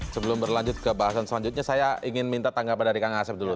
sebelum berlanjut ke bahasan selanjutnya saya ingin minta tanggapan dari kang asep dulu